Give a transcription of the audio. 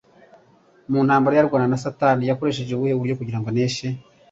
Mu ntambara ye arwana na Satani, yakoresheje ubuhe buryo kugira ngo aneshe?